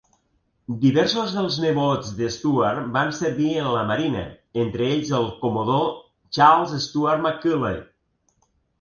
Diversos dels nebots de Stewart van servir en la Marina, entre ells el comodor Charles Stewart McCauley.